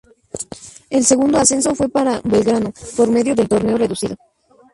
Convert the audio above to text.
El segundo ascenso fue para Belgrano por medio del Torneo reducido.